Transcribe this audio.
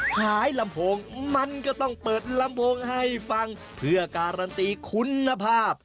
ลำโพงมันก็ต้องเปิดลำโพงให้ฟังเพื่อการันตีคุณภาพ